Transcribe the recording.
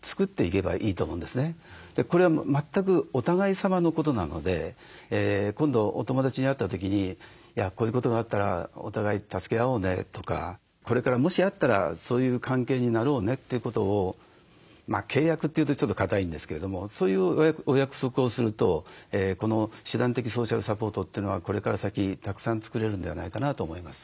これは全くお互いさまのことなので今度お友だちに会った時に「こういうことがあったらお互い助け合おうね」とか「これからもしあったらそういう関係になろうね」ということを契約というとちょっと堅いんですけれどもそういうお約束をするとこの手段的ソーシャルサポートというのはこれから先たくさん作れるんではないかなと思います。